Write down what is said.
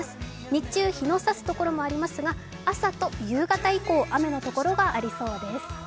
日中、日のさすところもありますが朝と夕方以降、雨の所がありそうです。